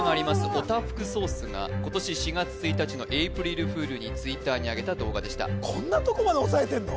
オタフクソースが今年４月１日のエイプリルフールにＴｗｉｔｔｅｒにあげた動画でしたこんなとこまで押さえてんの？